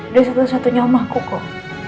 dia satu satunya omahku kok